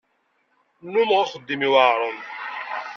Nnumeɣ axeddim iweɛren.